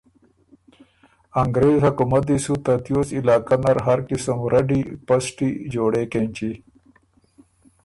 انګرېز حکومت دی سو ترتوس علاقه نر هر قسم رډی، پسټی جوړېک اېنچی